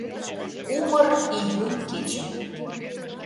Умыр июнь кече.